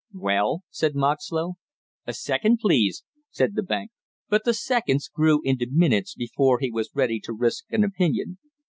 "Well?" said Moxlow. "A second, please!" said the banker. But the seconds grew into minutes before he was ready to risk an opinion.